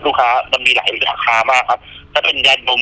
ลูกค้ามันมีหลายราคามากครับก็เป็นยานดม